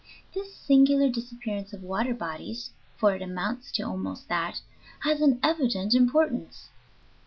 This singular disappearance of water bodies, for it amounts to almost that, has an evident importance.